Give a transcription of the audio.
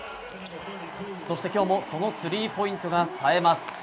そして今日もそのスリーポイントがさえます。